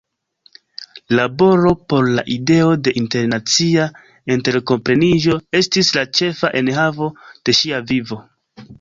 Laboro por la ideo de internacia interkompreniĝo estis la ĉefa enhavo de ŝia vivo.